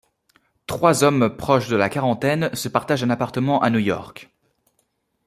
Trois hommes proches de la quarantaine se partagent un appartement à New York.